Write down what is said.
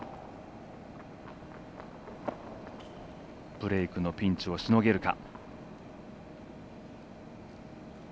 ブレークのピンチをしのげるか。